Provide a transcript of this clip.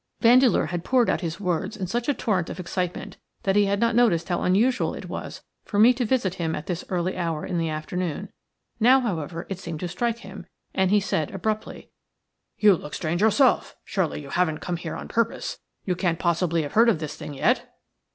Vandeleur had poured out his words in such a torrent of excitement that he had not noticed how unusual it was for me to visit him at this early hour in the afternoon. Now, however, it seemed to strike him, and he said, abruptly:– "You look strange yourself. Surely you haven't came here on purpose? You can't possibly have heard of this thing yet?"